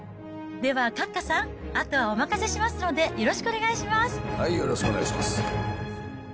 では、閣下さん、あとはお任せしますので、よろしくお願いしはい、よろしくお願いします。